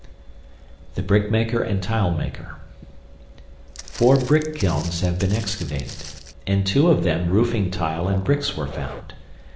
THE BRICKMAKER AND TILEMAKER Four brick kilns have been excavated. In two of them roofing tile and bricks were found.